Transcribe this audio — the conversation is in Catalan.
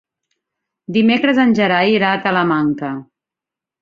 Dimecres en Gerai irà a Talamanca.